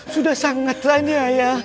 sudah sangat teraniaya